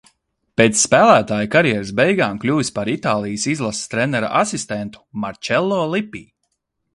Pēc spēlētāja karjeras beigām kļuvis par Itālijas izlases trenera asistentu Marčello Lipi.